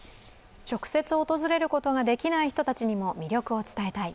直接訪れることができない人たちにも魅力を伝えたい。